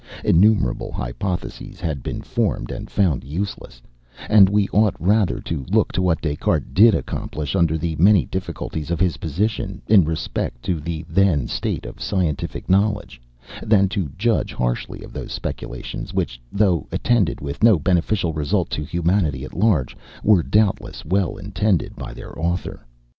Innumerable hypotheses had been formed and found useless; and we ought rather to look to what Des Cartes did accomplish under the many difficulties of his position, in respect to the then, state of scientific knowledge, than to judge harshly of those speculations, which, though attended with no beneficial result to humanity at large, were doubtless well intended by their author.